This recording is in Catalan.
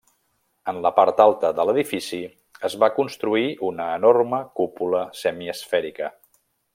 En la part alta de l'edifici es va construir una enorme cúpula semiesfèrica.